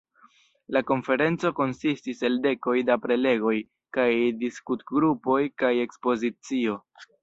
La konferenco konsistis el dekoj da prelegoj kaj diskutgrupoj kaj ekspozicio.